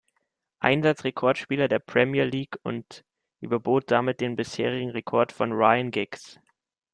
Einsatz Rekordspieler der Premier League und überbot damit den bisherigen Rekord von Ryan Giggs.